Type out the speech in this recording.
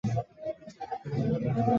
也只有一票直销的东西